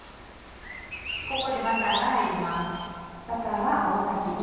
ここでバターが入ります。